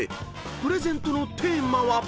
［プレゼントのテーマは？］